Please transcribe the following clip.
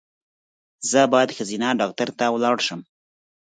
زه باید ښځېنه ډاکټر ته ولاړ شم